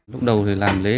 lúc đầu thì làm lễ